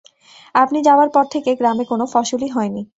আপনি যাওয়ার পর থেকে গ্রামে কোনো ফসলই হয়নি।